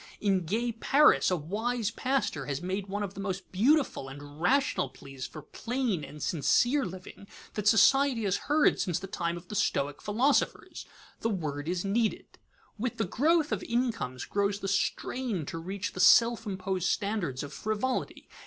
In gay Paris, a wise pastor has made one of the most beautiful and rational pleas for plain and sincere living that society has heard since the time of the stoic philosophers. The word is needed. With the growth of incomes grows the strain to reach the self imposed standards of frivolity.